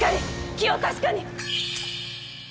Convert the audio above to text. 気を確かに！